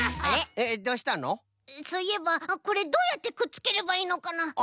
そういえばこれどうやってくっつければいいのかな？